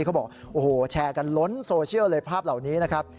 เขาบอกโอ้โหแชร์กันล้นโซเชียลเลยภาพเหล่านี้นะครับ